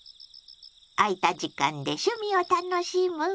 空いた時間で趣味を楽しむわ。